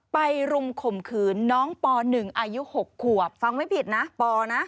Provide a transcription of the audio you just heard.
รุมข่มขืนน้องป๑อายุ๖ขวบฟังไม่ผิดนะปนะ